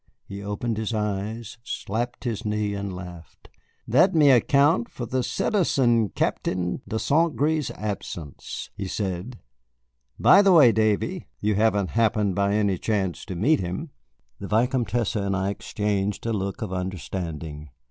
He opened his eyes, slapped his knee, and laughed. "That may account for the Citizen Captain de St. Gré's absence," he said. "By the way, Davy, you haven't happened by any chance to meet him?" The Vicomtesse and I exchanged a look of understanding.